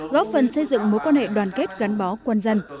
góp phần xây dựng mối quan hệ đoàn kết gắn bó quân dân